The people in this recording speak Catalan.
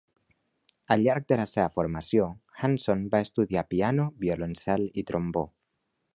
Al llarg de la seva formació, Hanson va estudiar piano, violoncel i trombó.